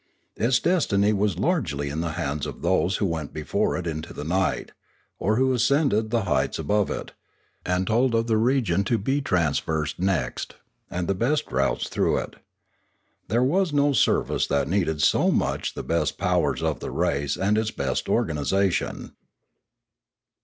Its destiny was largely in the hands of those who went before it into the night, or who ascended the heights above it, and told of the region to be traversed next, and the best routes through it. There was no service that needed so much the best powers of the race and its best organisation.